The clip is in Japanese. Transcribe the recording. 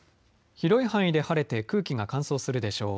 広い範囲で晴れて空気が乾燥するでしょう。